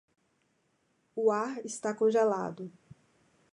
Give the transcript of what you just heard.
O ar está congelado